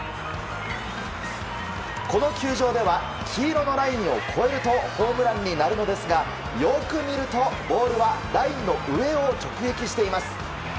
この球場では黄色のラインを越えるとホームランになるのですがよく見るとボールはラインの上を直撃しています。